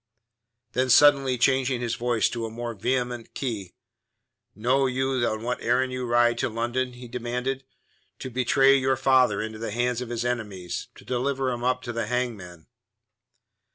Then suddenly changing his voice to a more vehement key, "Know you on what errand you rode to London?" he demanded. "To betray your father into the hands of his enemies; to deliver him up to the hangman."